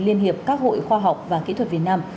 liên hiệp các hội khoa học và kỹ thuật việt nam